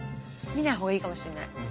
見ない方がいいかもしれない。